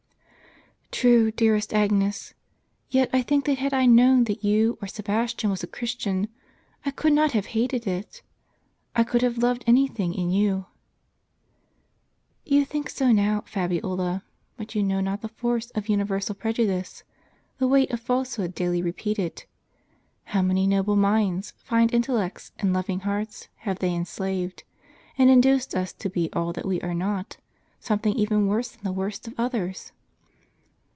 "True, dearest Agnes; yet I think that had I known that you, or Sebastian, was a Christian, I could not have hated it. I could have loved any thing in you." " You think so now, Fabiola ; but you know not the force of universal prejudice, the weight of falsehood daily repeated. How many noble minds, fine intellects, and loving hearts have they enslaved, and induced to believe us to be all that we are not, something even worse than the worst of others